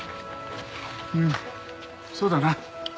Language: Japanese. うんそうだな。